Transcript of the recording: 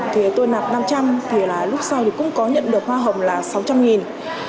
thì tôi nạp năm trăm linh thì là lúc sau thì cũng có nhận được hoa hồng là sáu trăm linh nghìn